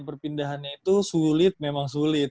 perpindahannya itu sulit memang sulit